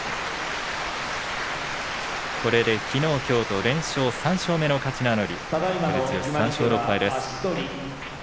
これで、きのうきょうと連勝３勝目の勝ち名乗り照強３勝６敗です。